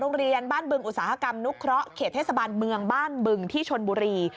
โรงเรียนบ้านบึงอุตสาหกรรมนุเคราะห์เขตเทศบาลเมืองบ้านบึงที่ชนบุรี